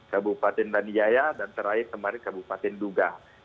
kabupaten rani jaya dan terakhir kemarin kabupaten duga